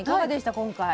今回。